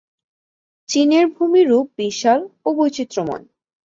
চীনের ভূমিরূপ বিশাল ও বৈচিত্র্যময়।